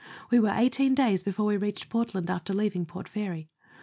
We were eighteen days before we reached Portland after leaving Port Fairy.